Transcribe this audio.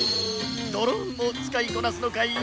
ドローンも使いこなすのかい？